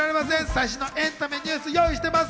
最新エンタメニュース用意してます。